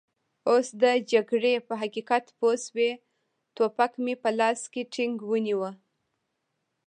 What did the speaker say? اوس د جګړې په حقیقت پوه شوي، ټوپک مې په لاس کې ټینګ ونیو.